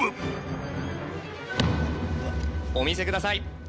お見せください。